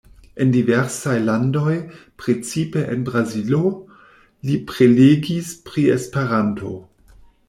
En diversaj landoj, precipe en Brazilo, li prelegis pri Esperanto.